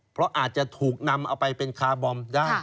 เพราะอาจจะถูกนำเอาไปเป็นคาร์บอมได้